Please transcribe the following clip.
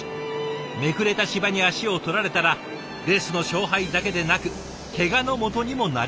めくれた芝に足を取られたらレースの勝敗だけでなくけがのもとにもなりかねません。